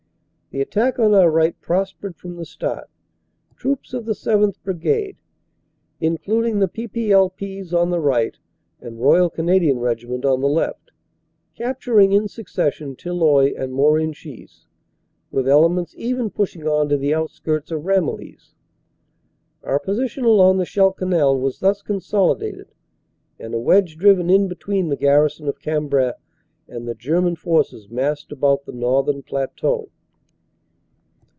The attack on our right prospered from the start, troops of the 7th. Brigade, including the P.P.L.Ps on the right and Royal Cana dian Regiment on the left, capturing in succession Tilloy and Morenchies, with elements even pushing on to the outskirts of 256 CANADA S HUNDRED DAYS Ramillies. Our position along the Scheldt Canal was thus consolidated and a wedge driven in between the garrison of Cambrai and the German forces massed about the northern plateau.